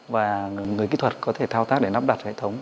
và người kỹ thuật có thể thao tác để nắp đặt hệ thống